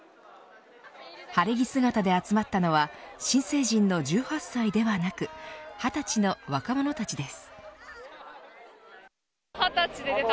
晴れ着姿で集まったのは新成人の１８歳ではなく二十歳の若者たちです。